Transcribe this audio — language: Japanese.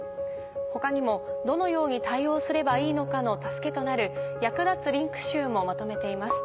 他にもどのように対応すればいいのかの助けとなる役立つリンク集もまとめています。